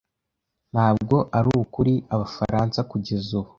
Ntabwo ari ukuri Abafaransa kugeza ubu